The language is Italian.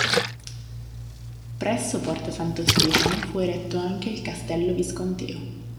Presso porta Santo Stefano fu eretto anche il Castello Visconteo.